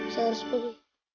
saya harus pergi